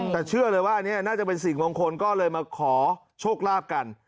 แต่เชื่อเลยว่าอันนี้น่าจะเป็นสิ่งมงคลก็เลยมาขอโชคลาภกัน